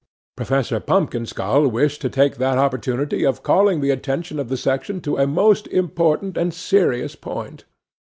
'PROFESSOR PUMPKINSKULL wished to take that opportunity of calling the attention of the section to a most important and serious point.